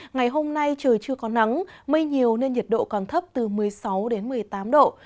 ngày hôm nay trời chưa có nắng mây nhiều nên nhiệt độ còn thấp từ một mươi sáu đến một mươi tám độ